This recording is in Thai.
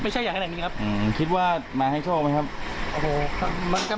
ไม่ใช่อย่างแห่งนี้ครับอืมคิดว่ามาให้โชคไหมครับโอเคครับ